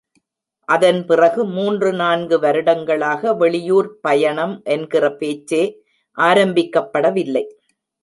அதன் பிறகு மூன்று நான்கு வருடங்களாக, வெளியூர்ப் பிரயாணம் என்கிற பேச்சே ஆரம்பிக்கப்படவில்லை.